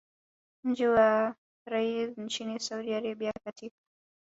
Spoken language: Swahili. mji wa Riyadh nchini Saudi Arabia katika